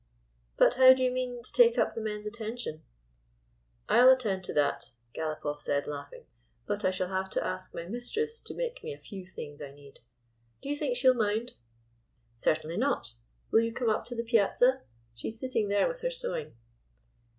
" But how do you mean to take up the men's attention ?"" I 'll attend to that," GalopofF said, laughing. But I shall have to ask my mistress to make me a few things I need. Do you think she will mind?" " Certainly not. Will you come up to the piazza? She is sitting there with her sewing."